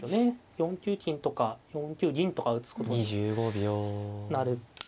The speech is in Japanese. ４九金とか４九銀とか打つことになると。